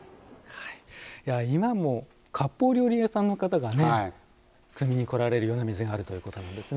今もかっぽう料理屋さんの方がくみに来られるような水があるということなんですね。